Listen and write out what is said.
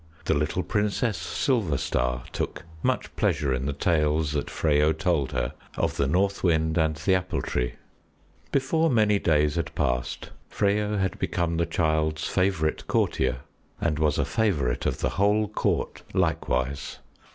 The Little Princess Silverstar took much pleasure in the tales that Freyo told her of the North Wind and the Apple Tree. Before many days had passed, Freyo had become the child's favorite courtier, and was a favorite of the whole Court likewise.